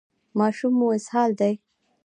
ماشوم مو اسهال دی؟